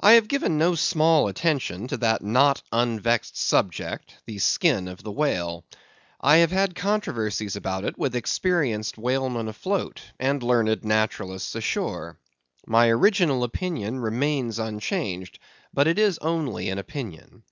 I have given no small attention to that not unvexed subject, the skin of the whale. I have had controversies about it with experienced whalemen afloat, and learned naturalists ashore. My original opinion remains unchanged; but it is only an opinion.